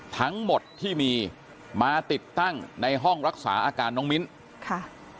ทั้งหมดที่มีมาติดตั้งในห้องรักษาอาการน้องมิ้นค่ะ